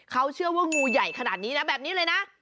เขาเชื่อว่างูใหญ่ขนาดนี้นะแบบนี้เลยนะ